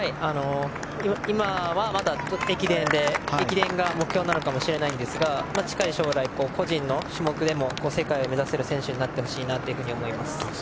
今はまだ駅伝が目標なのかもしれませんが近い将来、個人の種目でも世界を目指せる選手になってほしいと思います。